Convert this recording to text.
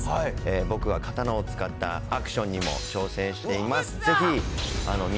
僕は刀を使ったアクションにも挑戦しています。